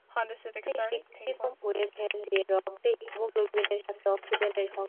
তিনি স্বীকৃত হয়েছিলেন যে রক্তে হিমোগ্লোবিনের সাথে অক্সিজেনের সংমিশ্রণ ঘটে।